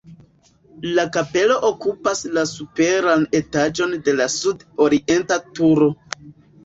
La kapelo okupas la superan etaĝon de la sud-orienta turo.